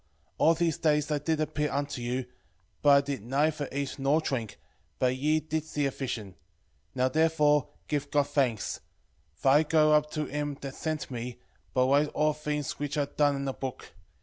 12:19 All these days I did appear unto you; but I did neither eat nor drink, but ye did see a vision. 12:20 Now therefore give God thanks: for I go up to him that sent me; but write all things which are done in a book.